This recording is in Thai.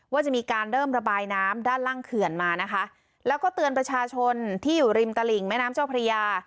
ว่าจะมีการเริ่มระบายน้ำด้านล่างเขื่อนมานะคะแล้วก็เตือนประชาชนที่อยู่ริมตลิ่งแม่น้ำเจ้าพระยา